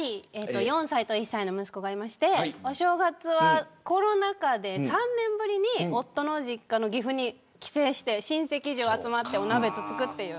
４歳と１歳の息子がいてお正月は、コロナ禍で３年ぶりに夫の実家の岐阜に帰省して親戚中が集まってお鍋をつつくっていう。